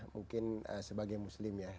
mungkin sebagai muslim ya